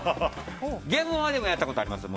ゲームはやったことありますよ